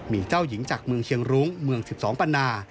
มีเจ้าหญิงจากเมืองเชียงรุ้งเมือง๑๒ปันนา